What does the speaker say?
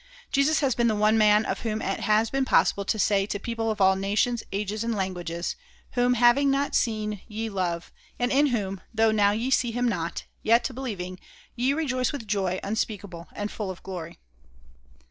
Jesus has been the one man of whom it has been possible to say to people of all nations, ages, and languages, "Whom having not seen ye love, and in whom, though now ye see him not, yet believing, ye rejoice with joy unspeakable and full of glory."